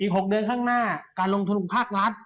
๖เดือนข้างหน้าการลงทุนภาครัฐ